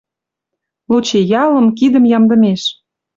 Лучи ялым, кидӹм ямдымеш...